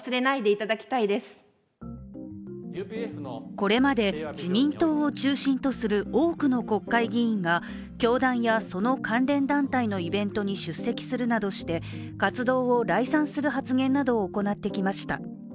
これまで自民党を中心とする多くの国会議員が、教団やその関連団体のイベントに出席するなどして活動を礼賛する発言などを行ってきました。